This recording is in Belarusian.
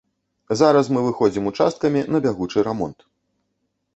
Зараз мы выходзім участкамі на бягучы рамонт.